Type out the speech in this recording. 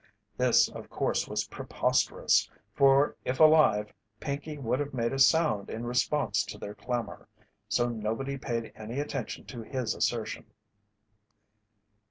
This, of course, was preposterous, for if alive Pinkey would have made a sound in response to their clamour, so nobody paid any attention to his assertion.